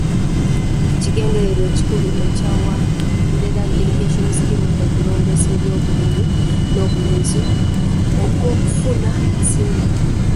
Ekigendererwa ekikulu ekya Wanderai irrigation scheme kwe kulongoosa eby'obulimi n'obulunzi okw'okufuna ensimbi.